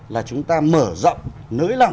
là chúng ta mở rộng nới lỏng